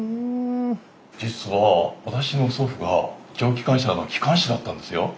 実は私の祖父が蒸気機関車の機関士だったんですよ。